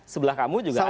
sebelah kamu juga ada loh